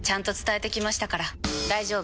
大丈夫！